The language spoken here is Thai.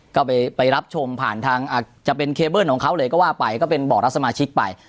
ก็ไปรับชมผ่านทางอาจจะเป็นเคเบิ้ลของเขาเลยก็ว่าไปก็เป็นบอกรักสมาชิกไป